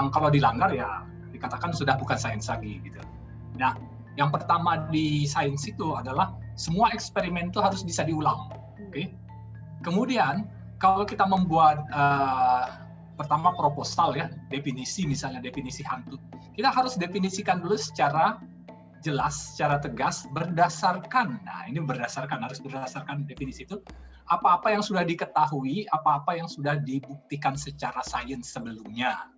kita harus menjelaskan secara tegas apa apa yang sudah diketahui apa apa yang sudah dibuktikan secara sains sebelumnya